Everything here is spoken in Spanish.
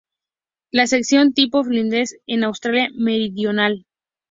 La sección tipo es Flinders Ranges en Australia Meridional.